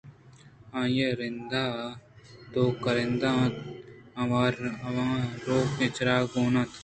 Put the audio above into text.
آئی ءِ رند ءَ دو کارندہ اِت اَنت آواں روکیں چراگ گون اَت